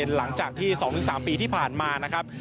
หลังจากที่๒๓ปีที่ผ่านมานะครับ